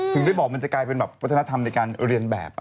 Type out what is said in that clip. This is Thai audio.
ถึงได้บอกมันจะกลายเป็นแบบวัฒนธรรมในการเรียนแบบ